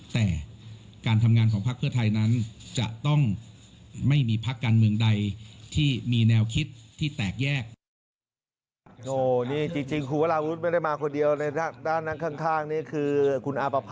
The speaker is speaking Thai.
แต่การทำงานของพักเพื่อไทยนั้นจะต้องไม่มีพักการเมืองใดที่มีแนวคิดที่แตกแยก